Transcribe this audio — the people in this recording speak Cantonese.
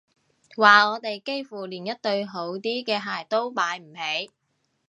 話我哋幾乎連一對好啲嘅鞋都買唔起